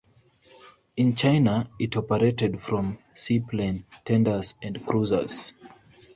In China, it operated from seaplane tenders and cruisers.